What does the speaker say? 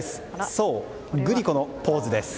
そう、グリコのポーズです。